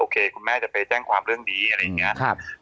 คุณแม่จะไปแจ้งความเรื่องนี้อะไรอย่างนี้